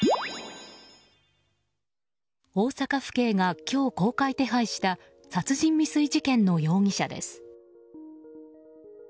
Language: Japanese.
大阪府警が今日公開手配した殺人未遂事件の容疑者です。